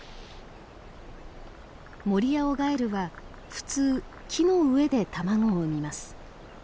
モリアオガエルは普通木の上で卵を産みます。